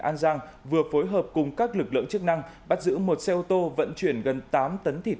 an giang vừa phối hợp cùng các lực lượng chức năng bắt giữ một xe ô tô vận chuyển gần tám tấn thịt